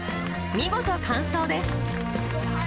見事完走です。